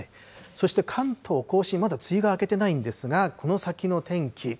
そして関東甲信、まだ梅雨が明けていないんですが、この先の天気。